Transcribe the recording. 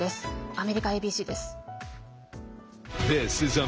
アメリカＡＢＣです。